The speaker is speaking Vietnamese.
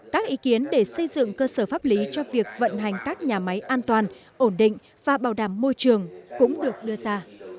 các ý kiến để xây dựng cơ sở pháp lý cho việc vận hành các nhà máy an toàn ổn định và bảo đảm môi trường cũng được đưa ra